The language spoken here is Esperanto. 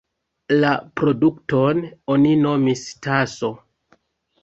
La produkton oni nomis "taso".